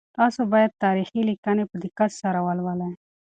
تاسو باید تاریخي لیکنې په دقت سره ولولئ.